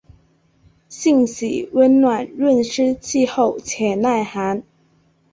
性喜温暖润湿气候且耐寒。